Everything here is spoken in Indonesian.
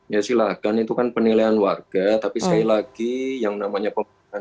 ya silakan itu kan penilaian warga tapi sekali lagi yang namanya pemerintah